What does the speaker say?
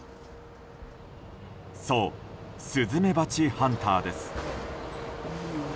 そう、スズメバチハンターです。